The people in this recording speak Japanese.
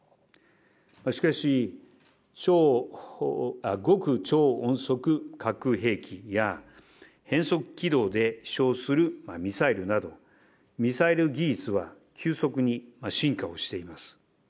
しかし、極超音速核兵器や、変則軌道で飛しょうするミサイルなど、ミサイル技術は急速に進化をしています。